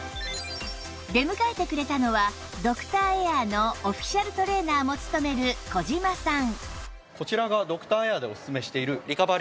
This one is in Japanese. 出迎えてくれたのはドクターエアのオフィシャルトレーナーも務める小島さん